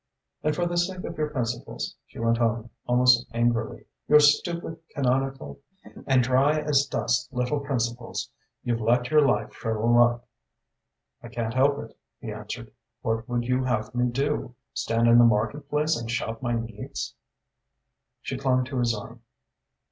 "And for the sake of your principles," she went on, almost angrily, "your stupid, canonical and dry as dust little principles, you've let your life shrivel up." "I can't help it," he answered. "What would you have me do? Stand in the market place and shout my needs?" She clung to his arm.